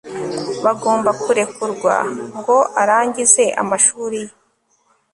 bagomba kurekurwa ngo arangize amashuri ye